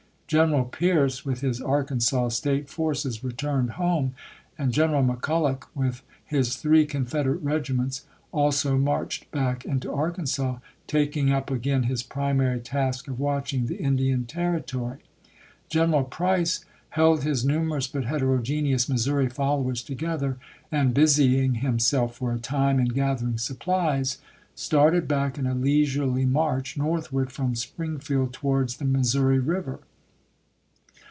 Greneral Pearce with his Arkansas State forces returned home, and General McCul loch with his three Confederate regiments also marched back into Arkansas, taking up again his primary task of watching the Indian Territory. General Price held his numerous but heterogeneous Missouri followers together, and, busying himself for a time in gathering supplies, started back in a leisurely march northward from Springfield to wards the Missouri River.